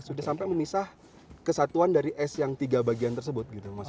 sudah sampai memisah kesatuan dari es yang tiga bagian tersebut